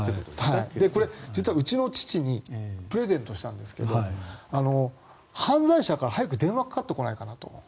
これ、実はうちの父にプレゼントしたんですが犯罪者から早く電話かかってこないかなと。